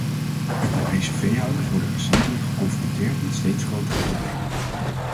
Europese veehouders worden recentelijk geconfronteerd met steeds grotere problemen.